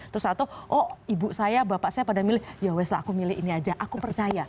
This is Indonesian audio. terus aku oh ibu saya bapak saya pada milih ya west lah aku milih ini aja aku percaya